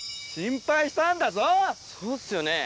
そうっすよね。